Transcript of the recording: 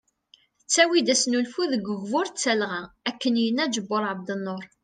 Tettawi-d asnulfu deg ugbur d talɣa ,akken yenna Ǧebur Ɛebdnur.